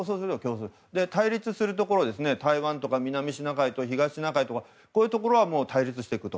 対立するところは台湾とか南シナ海とかこういうところは対立していくと。